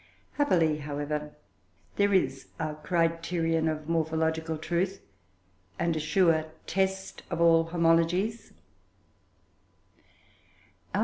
Happily, however, there is a criterion of morphological truth, and a sure test of all homologies.